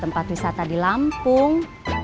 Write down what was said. tempat wisata di lampung